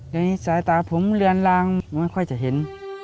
ในสายตาผมเลือนลางไม่ค่อยจะเห็น